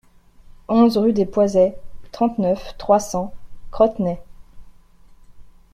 onze rue des Poisets, trente-neuf, trois cents, Crotenay